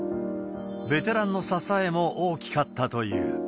ベテランの支えも大きかったという。